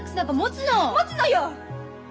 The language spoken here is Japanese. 持つのよ！